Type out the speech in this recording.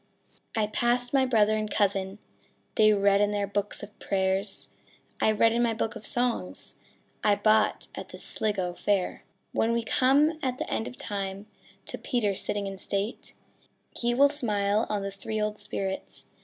I passed my brother and cousin : They read in their books of prayers; I read in my book of songs I bought at the Sligo fair. When we come at the end of time, To Peter sitting in state, He will smile on the three old spirits.